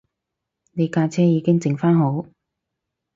你架車已經整番好